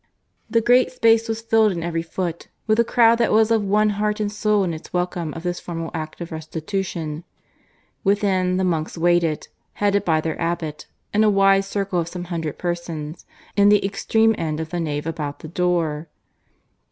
The great space was filled in every foot with a crowd that was of one heart and soul in its welcome of this formal act of restitution. Within, the monks waited, headed by their abbot, in a wide circle of some hundred persons, in the extreme end of the nave about the door.